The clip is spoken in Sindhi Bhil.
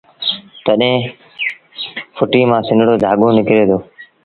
تڏهيݩ ڦئٽيٚ مآݩ سنڙو ڌآڳو ٺهي دو